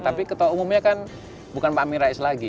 tapi ketua umumnya kan bukan pak amin rais lagi